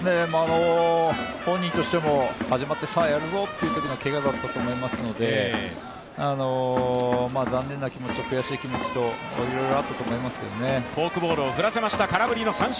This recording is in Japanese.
本人としても始まってさあやるぞというときのけがだったと思いますので残念な気持ちと悔しい気持ちといろいろあったと思いますけどね。